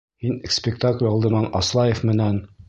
Һин спектакль алдынан Аслаев менән...